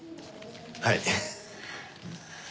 はい。